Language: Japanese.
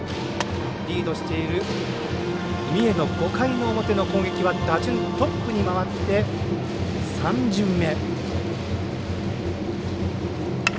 リードしている三重の５回の表の攻撃は打順トップに回って３巡目。